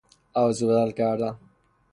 عوض و بدل کردن